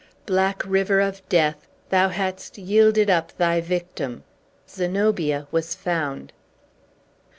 Black River of Death, thou hadst yielded up thy victim! Zenobia was found!